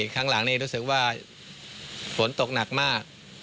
ครั้งหลังนี้รู้สึกว่าฝนตกหนักมาก